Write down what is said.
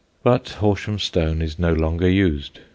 But Horsham stone is no longer used.